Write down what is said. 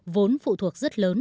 vốn phụ thuộc rất lớn